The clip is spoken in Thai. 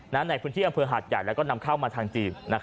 ในพื้นที่อำเภอหาดใหญ่แล้วก็นำเข้ามาทางจีน